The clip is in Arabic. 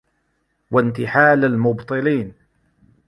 وَانْتِحَالَ الْمُبْطِلِينَ